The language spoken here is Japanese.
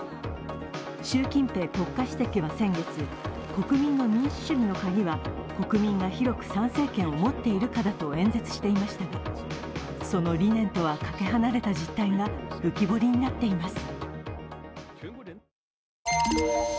習近平国家主席は先月、国民の民主主義のカギは国民が広く参政権を持っているかだと演説していましたが、その理念とはかけ離れた実態が浮き彫りになっています。